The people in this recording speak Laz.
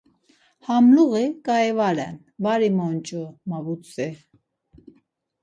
Ham luği ǩai va ren, var imonç̌u ma vutzvi.